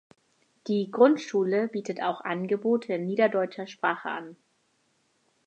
Die Grundschule bietet auch Angebote in Niederdeutscher Sprache an.